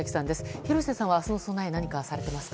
廣瀬さんは明日の備え何かされていますか？